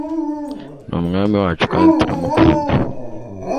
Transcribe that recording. Ni umwami wacu kandi turamukunda